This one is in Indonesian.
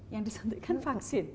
yang disuntikkan vaksin